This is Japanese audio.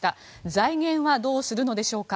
財源はどうするのでしょうか。